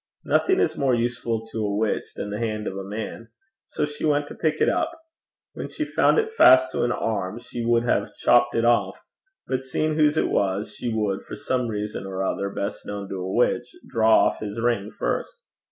Nothing is more useful to a witch than the hand of a man, so she went to pick it up. When she found it fast to an arm, she would have chopped it off, but seeing whose it was, she would, for some reason or other best known to a witch, draw off his ring first.